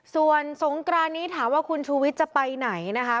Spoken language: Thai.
ส่วนสงกรานนี้ถามว่าคุณชูวิทย์จะไปไหนนะคะ